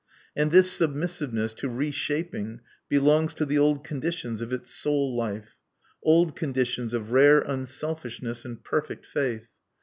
And this submissiveness to reshaping belongs to the old conditions of its soul life, old conditions of rare unselfishness and perfect faith.